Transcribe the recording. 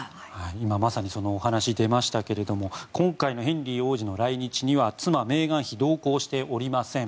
今まさにそのお話が出ましたが今回のヘンリー王子の来日には妻・メーガン妃同行しておりません。